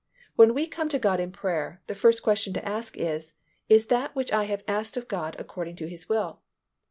When we come to God in prayer, the first question to ask is, Is that which I have asked of God according to His will?